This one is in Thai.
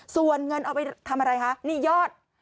ส่วนเงินเอาไปทำอะไรคะนี่ยอด